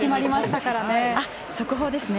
速報ですね。